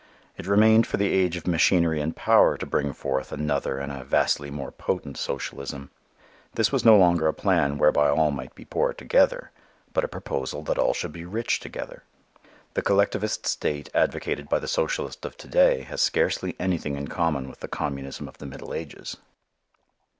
It remained for the age of machinery and power to bring forth another and a vastly more potent socialism. This was no longer a plan whereby all might be poor together, but a proposal that all should be rich together. The collectivist state advocated by the socialist of to day has scarcely anything in common with the communism of the middle ages.